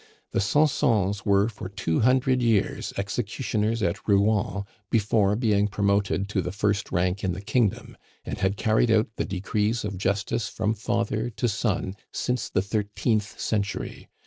The Sansons were for two hundred years executioners at Rouen before being promoted to the first rank in the kingdom, and had carried out the decrees of justice from father to son since the thirteenth century.